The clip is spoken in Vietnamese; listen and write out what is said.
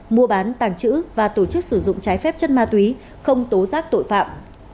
mua bán tàng trữ và tổ chức sử dụng trái phép chất ma túy không tố giác tội phạm